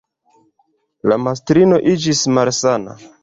La mastrino iĝis malsana.